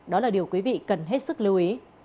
đó là điều quý vị cần hết sức lưu ý